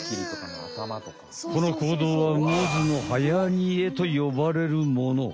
この行動はモズの「はやにえ」とよばれるもの。